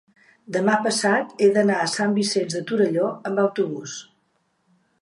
demà passat he d'anar a Sant Vicenç de Torelló amb autobús.